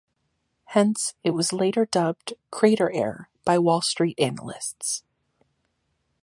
Hence, it was later dubbed "CraterAir", by Wall Street analysts.